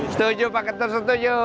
setuju pak setuju